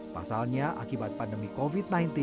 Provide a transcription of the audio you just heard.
pasalnya akibat pandemi covid sembilan belas